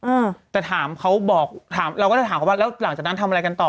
อืมแต่ถามเขาบอกถามเราก็จะถามเขาว่าแล้วหลังจากนั้นทำอะไรกันต่อ